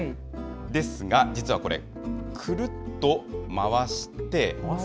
ですが、実はこれ、くるっと回して。